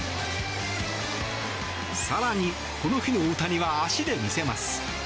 更にこの日の大谷は足で見せます。